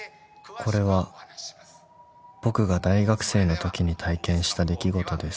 ［これは僕が大学生のときに体験した出来事です］